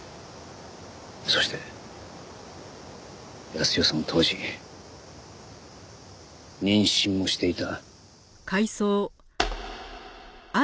そして泰代さんは当時妊娠もしていた。